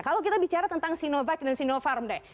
kalau kita bicara tentang sinovac dan sinopharm deh